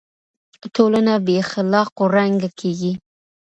ټولنه بې اخلاقو ړنګه کيږي.